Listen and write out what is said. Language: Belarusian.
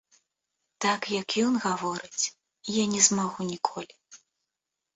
Так, як ён гаворыць, я не змагу ніколі.